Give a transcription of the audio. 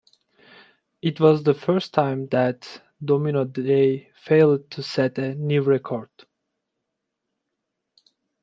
It was the first time that Domino Day failed to set a new record.